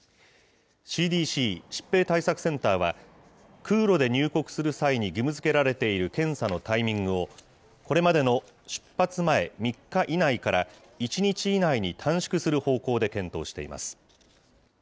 ＣＤＣ・疾病対策センターは空路で入国する際に義務づけられている検査のタイミングを、これまでの出発前３日以内から、１日以内に短縮する方向で検討しています。